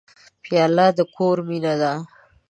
پیاله د کور مینه ده.